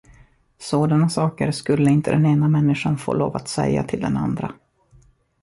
Sådana saker skulle inte den ena människan få lov att säga till den andra.